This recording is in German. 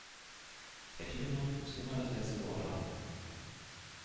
Herr Tiedemann muss immer das letzte Wort haben.